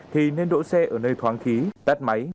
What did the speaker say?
thì nên đỗ xe ở nơi thoáng khí tắt máy